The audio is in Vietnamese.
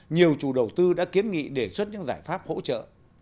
nhiều chủ đầu tư đã kiến nghị đề xuất những giải pháp hỗ trợ